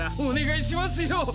お願いしますよ